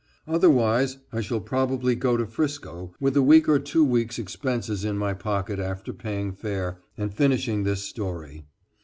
Otherwise I shall probably go to Frisco with a week or two week's expenses in my pocket after paying fare, and finishing this story.